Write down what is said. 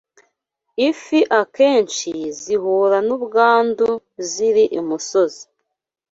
Ifi Akenshi Zihura n’Ubwandu ziri imusozi